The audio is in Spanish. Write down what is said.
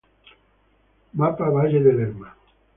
Mapa Valle de Lerma